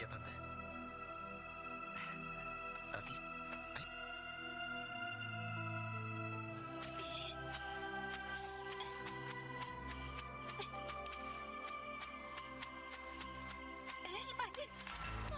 apa yang kamu inginkan